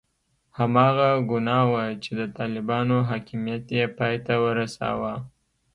هماغه ګناه وه چې د طالبانو حاکمیت یې پای ته ورساوه.